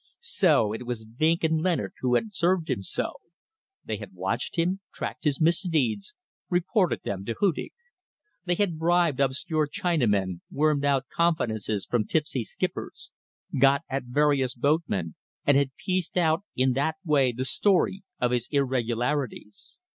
So it was Vinck and Leonard who had served him so. They had watched him, tracked his misdeeds, reported them to Hudig. They had bribed obscure Chinamen, wormed out confidences from tipsy skippers, got at various boatmen, and had pieced out in that way the story of his irregularities.